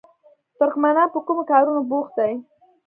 ترکمنان په کومو کارونو بوخت دي؟